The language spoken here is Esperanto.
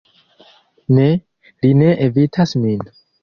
Ne, li ne evitas min.